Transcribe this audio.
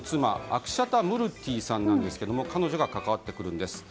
アクシャタ・ムルティさんですが彼女が関わってくるんです。